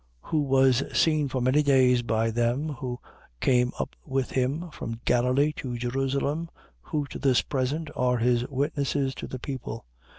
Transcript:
13:31. Who was seen for many days by them who came up with him from Galilee to Jerusalem, who to this present are his witnesses to the people.